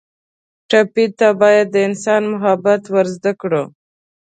ټپي ته باید د انسان محبت ور زده کړو.